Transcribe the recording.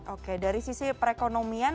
oke dari sisi perekonomian